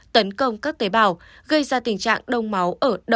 tấn công các tế bào gây ra tình trạng đông máu